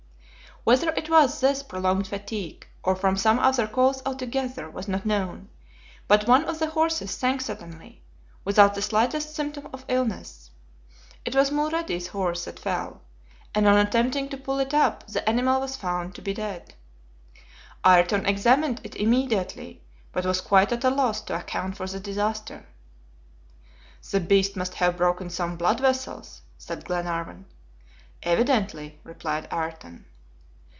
Whether it was this prolonged fatigue, or from some other cause altogether, was not known, but one of the horses sank suddenly, without the slightest symptom of illness. It was Mulrady's horse that fell, and on attempting to pull it up, the animal was found to be dead. Ayrton examined it immediately, but was quite at a loss to account for the disaster. "The beast must have broken some blood vessels," said Glenarvan. "Evidently," replied Ayrton.